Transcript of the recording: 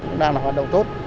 cũng đang là hoạt động tốt